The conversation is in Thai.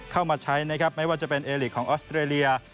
เข้ามาใช้นะครับไม่ว่าจะเป็นเอลีกของออสเตรเลีย